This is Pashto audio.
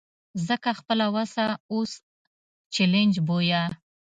ځکه خپله وسه اوس چلنج بویه.